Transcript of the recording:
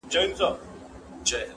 تیارې به د قرنونو وي له لمره تښتېدلي -